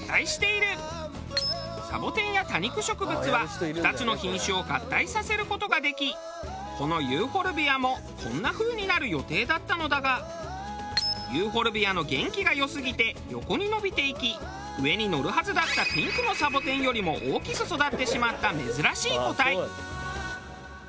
サボテンや多肉植物は２つの品種を合体させる事ができこのユーフォルビアもこんな風になる予定だったのだがユーフォルビアの元気が良すぎて横に伸びていき上に載るはずだったピンクのサボテンよりも大きく育ってしまった珍しい個体。